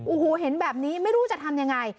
โอ้โหเห็นแบบนี้ไม่รู้จะทำยังไง